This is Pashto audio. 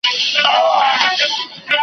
اوس لکه چي ستا د جنازې تر ورځي پاته یم .